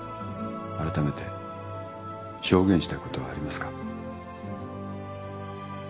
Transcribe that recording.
あらためて証言したいことはありますか？